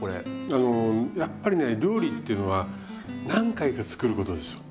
あのやっぱりね料理っていうのは何回か作ることですよ。